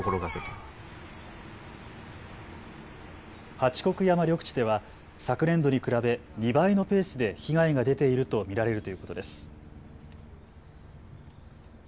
八国山緑地では昨年度に比べ２倍のペースで被害が出ていると見られるということです。